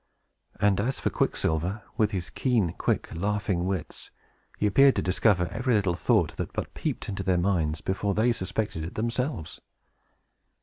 And as for Quicksilver, with his keen, quick, laughing wits, he appeared to discover every little thought that but peeped into their minds, before they suspected it themselves.